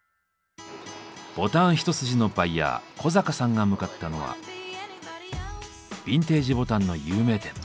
ボタン一筋のバイヤー小坂さんが向かったのはビンテージボタンの有名店。